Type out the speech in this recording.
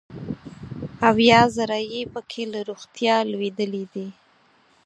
اویا زره یې پکې له روغتیا لوېدلي دي.